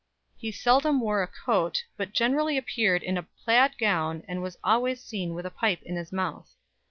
He seldom wore a coat, "but generally appeared in a plaid gown, and was always seen with a pipe in his mouth."